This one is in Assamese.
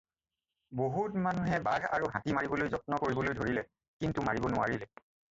বহুত মানুহে বাঘ আৰু হাতী মাৰিবলৈ যত্ন কৰিবলৈ ধৰিলে কিন্তু মাৰিব নোৱাৰিলে।